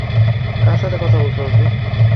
কার সাথে কথা বলছো অর্জুন?